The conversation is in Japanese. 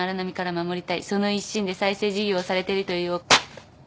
その一心で再生事業をされているという。